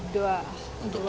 dua dua dua